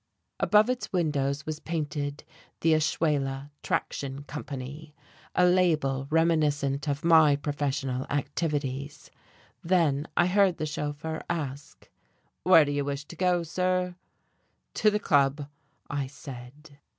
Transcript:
Above its windows was painted "The Ashuela Traction Company," a label reminiscent of my professional activities. Then I heard the chauffeur ask: "Where do you wish to go, sir?" "To the Club," I said.